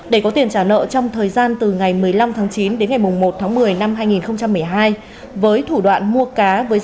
để có tiền trả nợ trong thời gian từ ngày một mươi năm tháng chín đến ngày một tháng một mươi năm hai nghìn một mươi hai